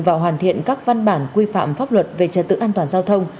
và hoàn thiện các văn bản quy phạm pháp luật về trật tự an toàn giao thông